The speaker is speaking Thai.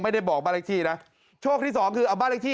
ไม่ได้บอกบ้านเลขที่นะโชคที่สองคือเอาบ้านเลขที่